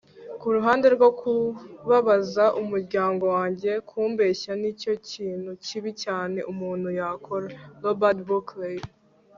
kuruhande rwo kubabaza umuryango wanjye, kumbeshya ni cyo kintu kibi cyane umuntu yakora. - robert buckley